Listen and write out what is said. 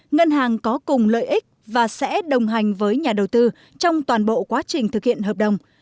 ngân hàng có cùng lợi ích và sẽ đồng hành với nhà đầu tư trong toàn bộ quá trình thực hiện hợp đồng